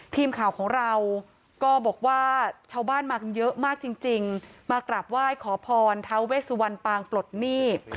ทีมข่าวของเราก็บอกว่าชาวบ้านมากันเยอะมากจริงมากราบไหว้ขอพรทาเวสวันปางปลดหนี้